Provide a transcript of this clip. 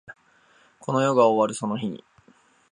この世が終わるその日に